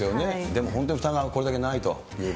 でも本当に負担がこれだけないと。